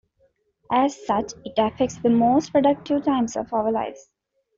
As such, it affects the most productive times of our lives.